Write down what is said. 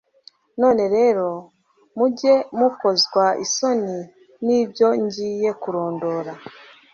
none rero, mujye mukozwa isoni n'ibyo ngiye kurondora